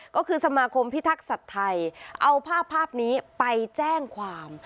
ก็คือสมาคมพิทักษัตริย์ไทยเอาภาพภาพนี้ไปแจ้งความ